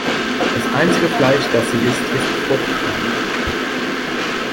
Das einzige Fleisch, das sie isst, ist Fruchtfleisch.